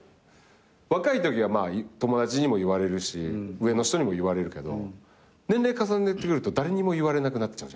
若いときはまあ友達にも言われるし上の人にも言われるけど年齢重ねてくると誰にも言われなくなっちゃうじゃん。